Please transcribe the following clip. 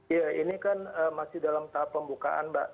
iya ini kan masih dalam tahap pembukaan mbak